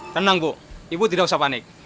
tenang bu ibu tidak usah panik